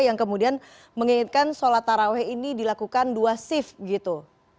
yang kemudian mengingatkan sholat taraweh ini dilakukan dua shift gitu